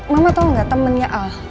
mama tau gak temennya al